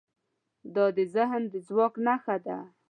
دا د ذهن د ځواک نښه ده.